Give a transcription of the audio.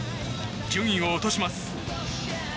順位を落とします。